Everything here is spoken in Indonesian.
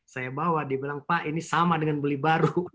saya bawa dia bilang pak ini sama dengan beli baru